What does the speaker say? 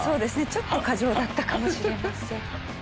ちょっと過剰だったかもしれません。